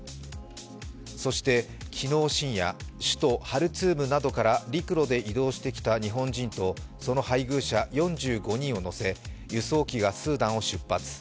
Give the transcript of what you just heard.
そして昨日深夜、首都ハルツームなどから陸路で移動してきた日本人とその配偶者４５人を乗せ輸送機がスーダンを出発。